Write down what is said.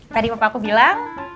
tadi papa aku bilang